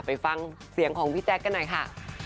ไปฟังเสียงของพี่แจ๊คกันหน่อยค่ะ